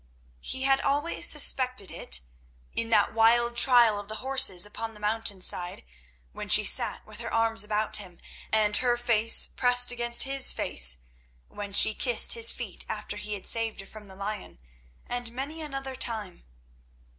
He had always suspected it—in that wild trial of the horses upon the mountain side, when she sat with her arms about him and her face pressed against his face; when she kissed his feet after he had saved her from the lion, and many another time.